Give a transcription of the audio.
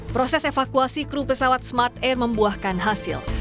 proses evakuasi kru pesawat smart air membuahkan hasil